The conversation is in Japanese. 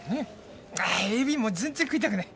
あーエビも全然食いたくない。